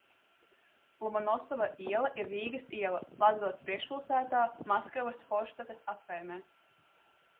Lomonosova iela ir Rīgas iela, Latgales priekšpilsētā, Maskavas forštates apkaimē.